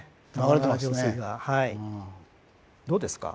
どうですか？